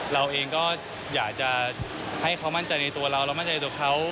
เราเองก็อยากจะให้เขามั่นใจในตัวเราเรามั่นใจตัวเขา